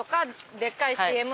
でっかいＣＭ。